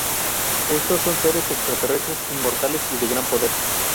Estos son seres extraterrestres, inmortales y de gran poder.